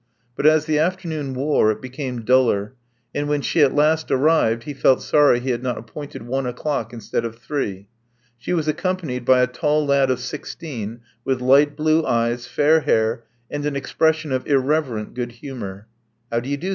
But as the afternoon wore, it became duller; and when she at last arrived, he felt sorry he had not appointed one o'clock instead of three. She was accompanied by a tall lad of sixteen, with light blue eyes, fair hair, and an expression of irreverent good humor. How do you do?"